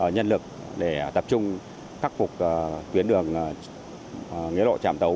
nhân lực để tập trung khắc phục tuyến đường nghĩa lộ trạm tấu